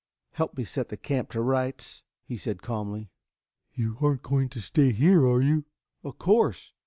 "Help me set the camp to rights," he said calmly. "You aren't going to stay here, are you?" "Of course.